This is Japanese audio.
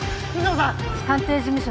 探偵事務所